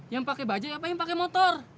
yang pake bajaj apa yang pake motor